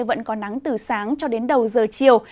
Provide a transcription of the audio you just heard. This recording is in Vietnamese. vẫn có nắng từ sáng cho đến đầu giờ chiều